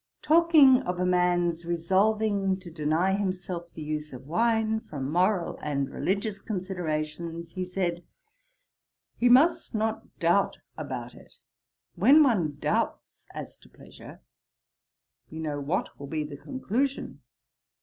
Talking of a man's resolving to deny himself the use of wine, from moral and religious considerations, he said, 'He must not doubt about it. When one doubts as to pleasure, we know what will be the conclusion.